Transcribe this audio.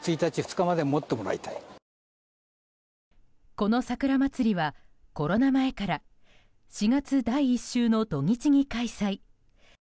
この桜まつりは、コロナ前から４月第１週の土日に開催。